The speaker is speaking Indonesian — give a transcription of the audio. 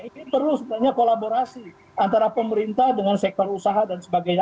ini perlu sebenarnya kolaborasi antara pemerintah dengan sektor usaha dan sebagainya